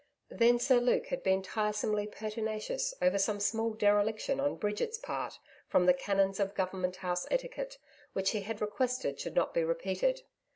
Then Sir Luke had been tiresomely pertinacious over some small dereliction on Bridget's part from the canons of Government House etiquette, which he had requested should not be repeated.